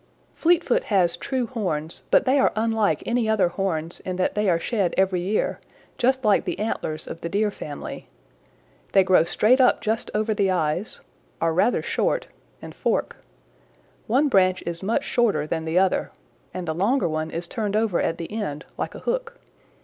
"Fleetfoot has true horns, but they are unlike any other horns in that they are shed every year, just like the antlers of the Deer family. They grow straight up just over the eyes, are rather short, and fork. One branch is much shorter than the other, and the longer one is turned over at the end like a hook.